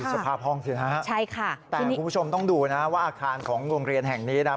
สภาพห้องสินะครับแต่คุณผู้ชมต้องดูนะครับอาคารของโรงเรียนแห่งนี้นะ